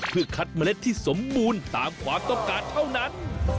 เพื่อคัดเมล็ดที่สมบูรณ์ตามความต้องการเท่านั้น